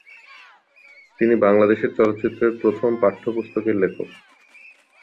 তিনি বাংলাদেশের চলচ্চিত্রের প্রথম পাঠ্যপুস্তকের লেখক।